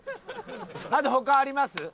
あと他あります？